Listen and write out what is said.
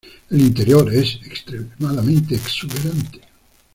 El interior es extremadamente exuberante.